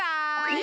え！